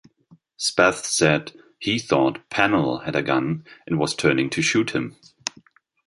Spath said he thought Pannell had a gun and was turning to shoot him.